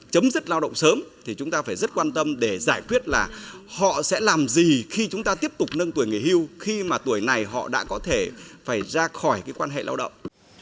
chấm dứt lao động sớm thì chúng ta phải rất quan tâm để giải quyết là họ sẽ làm gì khi chúng ta tiếp tục nâng tuổi nghỉ hưu khi mà tuổi này họ đã có thể phải ra khỏi cái quan hệ lao động